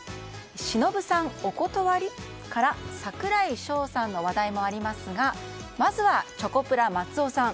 しのぶさん、お断り？から櫻井翔さんの話題もありますがまずはチョコプラ松尾さん